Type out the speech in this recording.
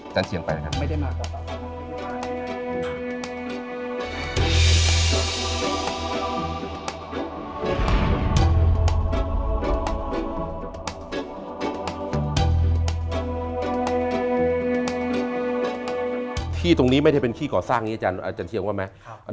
ที่ตรงนี้ไม่ได้เป็นขี้ก่อสร้างเนี่ยอาจารย์เชียงว่าไหมครับ